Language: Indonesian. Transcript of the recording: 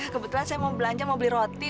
kebetulan saya mau belanja mau beli roti